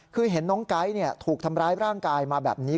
คือเห็นน้องไก๊ถูกทำร้ายร่างกายมาแบบนี้